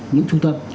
những trung tâm